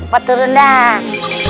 mpok turun dah